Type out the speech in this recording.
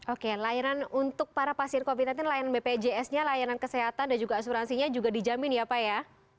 oke layanan untuk para pasien covid sembilan belas layanan bpjs nya layanan kesehatan dan juga asuransinya juga dijamin ya pak ya